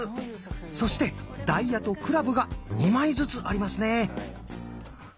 そして「ダイヤ」と「クラブ」が２枚ずつありますね。